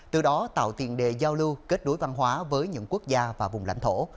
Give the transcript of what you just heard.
từ đó tạo tiền đề giao lưu kết đối văn hóa với những quốc gia và vùng lãnh thổ